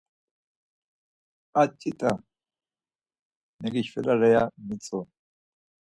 A tzut̆a megişvelare ya mitzu.